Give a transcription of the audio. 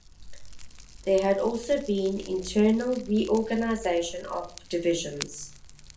There had also been internal reorganisation of divisions.